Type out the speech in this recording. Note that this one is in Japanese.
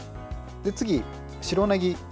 次、白ねぎ。